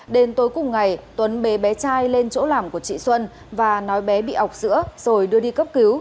đến tối cùng ngày tuấn bế bé trai lên chỗ làm của chị xuân và nói bé bị ọc sữa rồi đưa đi cấp cứu